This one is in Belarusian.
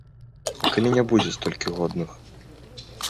А калі не будзе столькі годных?